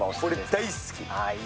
大好き。